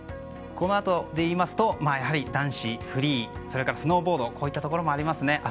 このあとでいいますと男子フリースノーボードといったところもありますね。